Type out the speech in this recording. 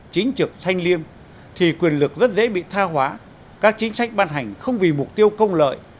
chính trực thanh liêm thì quyền lực rất dễ bị tha hóa các chính sách ban hành không vì mục tiêu công lợi